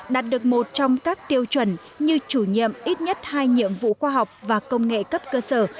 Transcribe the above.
đạt được một trong các tiêu chuẩn như chủ nhiệm ít nhất hai nhiệm vụ khoa học và công nghệ cấp cơ sở